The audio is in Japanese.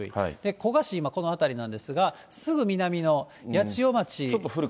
古河市、今、この辺りなんですが、すぐ南の八千代町。